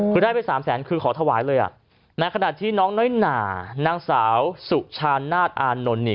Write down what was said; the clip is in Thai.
คือได้ไป๓แสนคือขอถวายเลยในขณะที่น้องน้อยหนานางสาวสุชานาศอานนท์เนี่ย